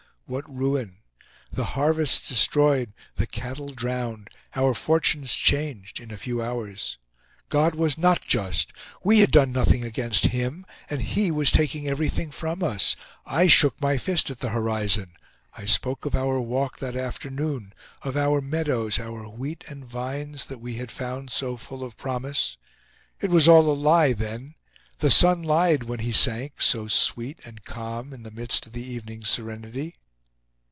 what ruin! The harvests destroyed, the cattle drowned, our fortunes changed in a few hours! God was not just! We had done nothing against Him, and He was taking everything from us! I shook my fist at the horizon. I spoke of our walk that afternoon, of our meadows, our wheat and vines that we had found so full of promise. It was all a lie, then! The sun lied when he sank, so sweet and calm, in the midst of the evening's serenity.